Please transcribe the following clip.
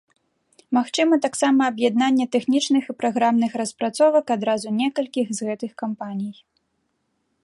Магчыма таксама аб'яднанне тэхнічных і праграмных распрацовак адразу некалькіх з гэтых кампаній.